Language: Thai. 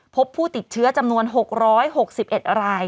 พบผู้ติดเชื้อจำนวน๖๖๑ราย